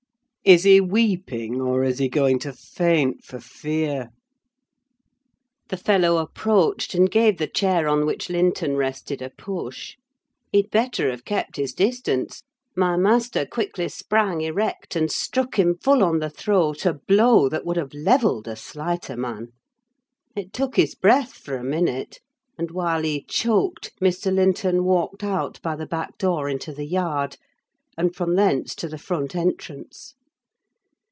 Is he weeping, or is he going to faint for fear?" The fellow approached and gave the chair on which Linton rested a push. He'd better have kept his distance: my master quickly sprang erect, and struck him full on the throat a blow that would have levelled a slighter man. It took his breath for a minute; and while he choked, Mr. Linton walked out by the back door into the yard, and from thence to the front entrance.